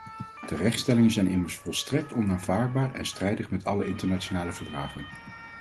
Terechtstellingen zijn immers volstrekt onaanvaardbaar en strijdig met alle internationale verdragen.